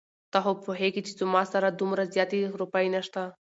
ته خو پوهېږې چې زما سره دومره زياتې روپۍ نشته.